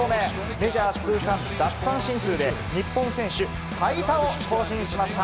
メジャー通算奪三振数で日本選手最多を更新しました。